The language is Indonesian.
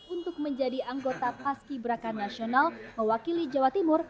untuk menjadi anggota paski beraka nasional mewakili jawa timur